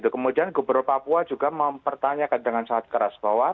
kemudian gubernur papua juga mempertanyakan dengan sangat keras bahwa